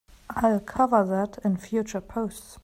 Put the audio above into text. I'll cover that in future posts!